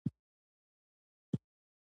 مرکزي بانکونه هڅول چې نورې پیسې چاپ کړي.